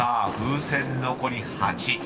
［風船残り８］